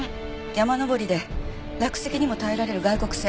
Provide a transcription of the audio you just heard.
山登りで落石にも耐えられる外国製。